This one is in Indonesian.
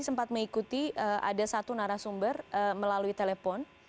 sempat mengikuti ada satu narasumber melalui telepon